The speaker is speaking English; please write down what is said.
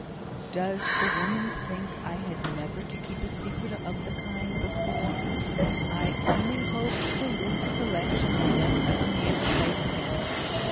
Does the woman think I had never to keep a secret of the kind before? I only hope he'll lose his election, and never come near the place again.